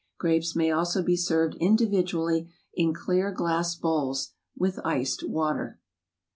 Grapes may also be served in dividually in clear glass bowls with iced water.